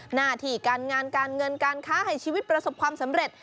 หน้าที่การงานการเงินการค้าให้ชีวิตประสบความสำเร็จ